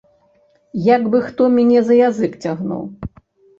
Як бы хто мяне за язык цягнуў.